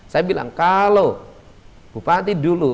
saya bilang kalau bupati dulu